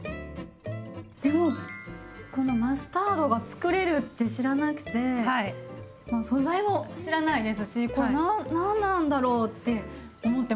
でもこのマスタードがつくれるって知らなくて素材も知らないですしこれ何なんだろうって思ってました。